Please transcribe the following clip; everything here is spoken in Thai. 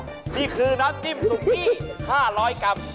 นี่คือน้ำจิ้มสุกี้๕๐๐กรัม